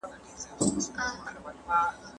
سیاست پوهنه د پوهې په باغ کي یو ګل دی.